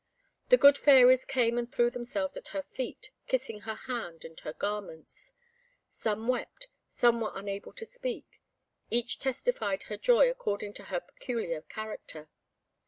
The good fairies came and threw themselves at her feet, kissing her hand and her garments. Some wept, some were unable to speak; each testified her joy according to her peculiar character.